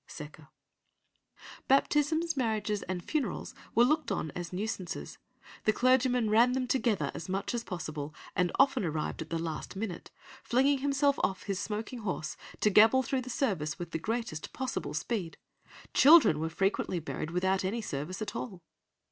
(Secker.) Baptisms, marriages, and funerals were looked on as nuisances; the clergyman ran them together as much as possible, and often arrived at the last minute, flinging himself off his smoking horse to gabble through the service with the greatest possible speed; children were frequently buried without any service at all.